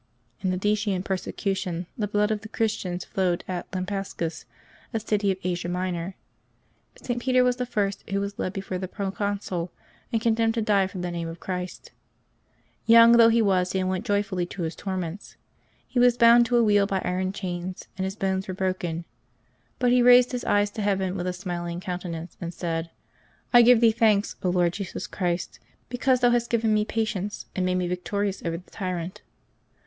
IN the Decian persecution the blood of the Christians flowed at Lampsacus, a city of Asia Minor. St. Peter was the first who was led before the proconsul and condemned to die for the name of Christ. Young though he was, he went joyfully to his torments. He was bound to a wheel by iron chains, and his bones were broken, but he raised his eyes to heaven with a smiling countenance and said, "I give Thee thanks, Lord Jesus Christ, be cause Thou bast given me patience, and made me victori lilAY 16] LIVES OF THE SAINTS 181 ouB over the tyrant."